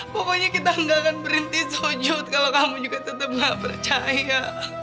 pokoknya kita gak akan berhenti sojot kalau kamu juga tetap gak percaya kak